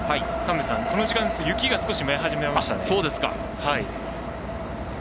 この時間雪が少し舞い始めましたね。